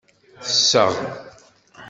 Tesseɣ.